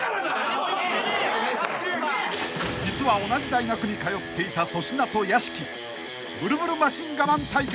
［実は同じ大学に通っていた粗品と屋敷］